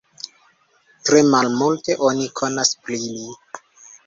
Tre malmulte oni konas pri li.